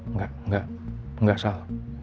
enggak enggak enggak salah